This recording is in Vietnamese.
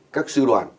các sư đoàn